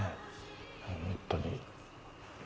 本当に。